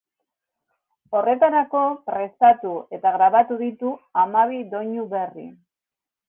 Horretarako prestatu eta grabatu ditu hamabi doinu berri.